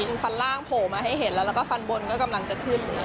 ก็ฟันล่างโผว่มาให้เห็นแล้วก็ฟันบนกำลังจะขึ้น